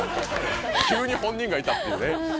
急に本人がいたっていうね。